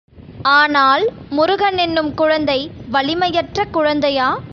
ஆனால் முருகனென்னும் குழந்தை வலிமையற்ற குழந்தையா?